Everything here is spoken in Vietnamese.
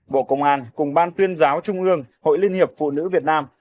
bộ công an cùng ban tuyên giáo trung ương hội liên hiệp phụ nữ việt nam